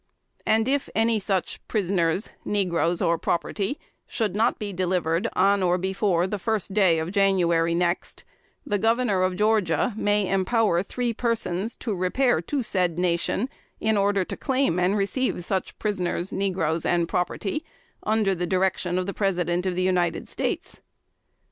And if any such prisoners, negroes, or property, should not be delivered on or before the first day of January next, the Governor of Georgia may empower three persons to repair to the said nation, in order to claim and receive such prisoners, negroes and property, under the direction of the President of the United States."